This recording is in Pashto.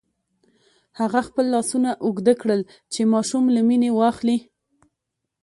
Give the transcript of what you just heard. هغه خپل لاسونه اوږده کړل چې ماشوم له مينې واخلي.